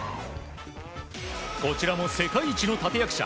こちらも世界一の立役者